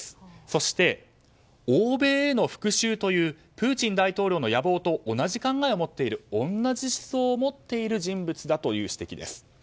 そして欧米への復讐というプーチン大統領の野望と同じ考えを持っている同じ思想を持っている人物だという指摘です。